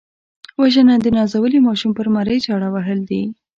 وژنه د نازولي ماشوم پر مرۍ چاړه وهل دي